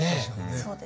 そうですね。